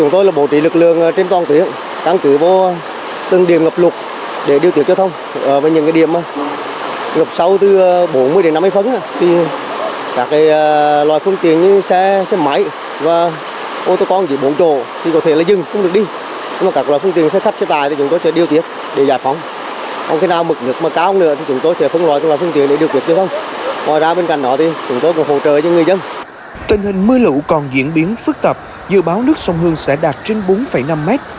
tình hình mưa lũ còn diễn biến phức tạp dự báo nước sông hương sẽ đạt trên bốn năm mét